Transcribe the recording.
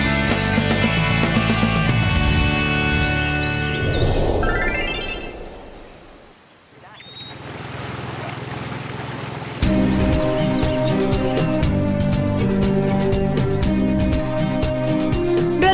ไม่ได้เลย